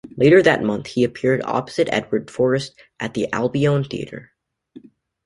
Later that month, he appeared opposite Edwin Forrest at the Albion Theatre.